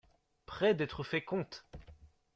Près d'être fait comte.